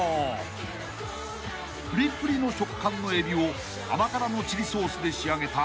［プリプリの食感のエビを甘辛のチリソースで仕上げた］